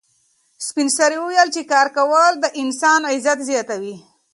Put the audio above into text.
سپین سرې وویل چې کار کول د انسان عزت زیاتوي.